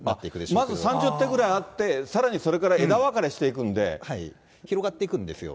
まず３０手ぐらいあって、さらにそれから枝分かれしていくん広がっていくんですよ。